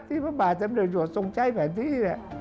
ที่พระบาทธรรมดิโยศงใจแผนที่